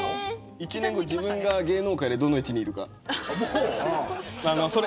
１年後、自分が芸能界でどの位置にいるか。